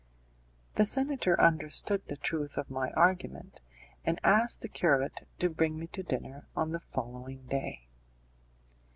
The senator understood the truth of my argument, and asked the curate to bring me to dinner on the following day.